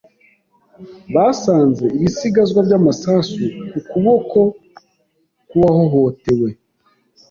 Basanze ibisigazwa by'amasasu ku kuboko kw'uwahohotewe.